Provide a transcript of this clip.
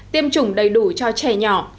tiêm chủng đầy đủ cho trẻ nhỏ